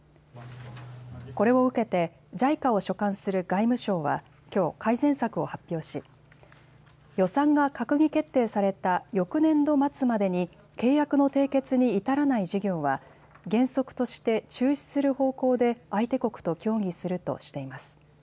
これを受けて、ＪＩＣＡを所管する外務省はきょう、改善策を発表し、予算が閣議決定された翌年度末までに契約の締結に至らない事業は、原則として中止する方向で相手国と協議するとしています。